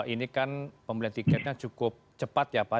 ini kan pembelian tiketnya cukup cepat ya pak